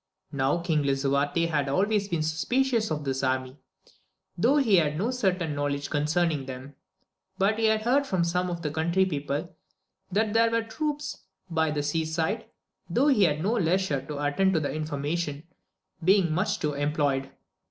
Now King Lisuarte had alway been suspicious of this army, though he had no certain knowledge concerning them ; but he had heard from some of the country people that there were troops 218 • AMADIS OF GAUL by the sea side, though he had no leisure to attend to the information, being too much employed.